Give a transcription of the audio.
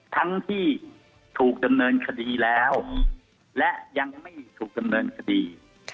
ทั้งที่ถูกดำเนินคดีแล้วและยังไม่ถูกดำเนินคดี